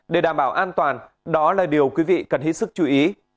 để đảm bảo an toàn đó là điều quý vị cần hết sức chú ý